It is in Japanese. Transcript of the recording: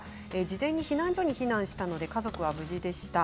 事前に避難所に避難したので家族は無事でした。